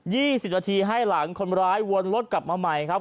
สิบนาทีให้หลังคนร้ายวนรถกลับมาใหม่ครับ